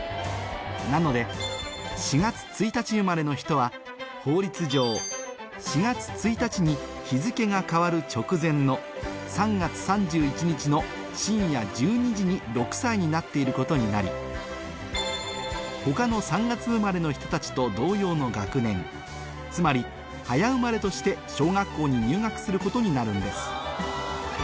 なので４月１日生まれの人は法律上４月１日に日付が変わる直前の３月３１日の深夜１２時に６歳になっていることになり他の３月生まれの人たちと同様の学年つまり早生まれとして小学校に入学することになるんです